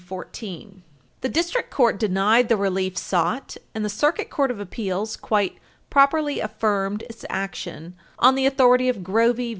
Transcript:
[Footnote 4] The District Court denied the relief sought, and the Circuit Court of Appeals quite properly affirmed its action on the authority of Grovey v.